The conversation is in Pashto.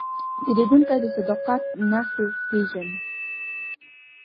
پیرودونکی د صداقت نښې پېژني.